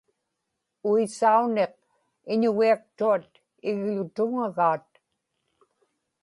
uisauniq iñugiaktuat igḷutuŋagaat